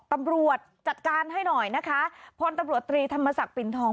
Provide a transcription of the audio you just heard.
ตำรวจจัดการให้หน่อยนะคะพลตำรวจตรีธรรมศักดิ์ปิ่นทอง